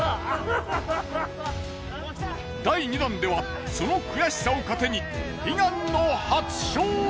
第２弾ではその悔しさを糧に悲願の。